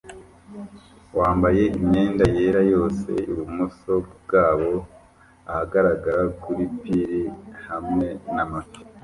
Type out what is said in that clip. wambaye imyenda yera yose ibumoso bwabo ahagarara kuri pir hamwe n amafi